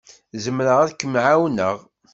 Zemreɣ ad kem-ɛawneɣ.